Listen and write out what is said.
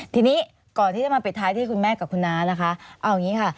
ทีนี้ก่อนที่จะมาปิดท้ายที่คุณแม่กับคุณน้านะคะเอาอย่างนี้ค่ะ